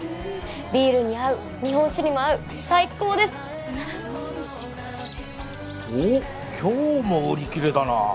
ビールに合う日本酒にも合う最高ですおっ今日も売り切れだな